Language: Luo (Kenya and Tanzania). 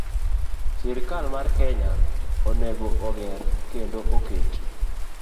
Sirkal mar Kenya onego oger kendo oket